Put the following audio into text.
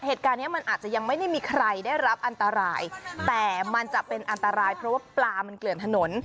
เหตุการณ์เนี้ยมันอาจจะยังไม่ได้มีใครได้รับอันตรายแต่มันจะเป็นอันตรายเพราะว่าปลามันเกลื่อนถนน